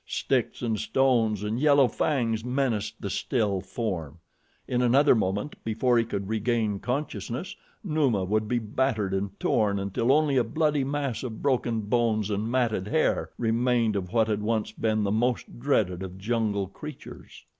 Sticks and stones and yellow fangs menaced the still form. In another moment, before he could regain consciousness, Numa would be battered and torn until only a bloody mass of broken bones and matted hair remained of what had once been the most dreaded of jungle creatures.